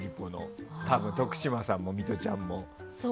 多分、徳島さんもミトちゃんも。